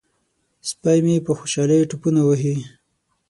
سپی مې په خوشحالۍ ټوپونه وهي.